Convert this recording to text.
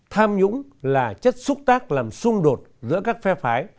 tham nhũng là chất xúc tác làm xung đột giữa các phe phái